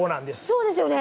そうですよね！